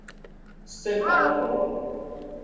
細胞核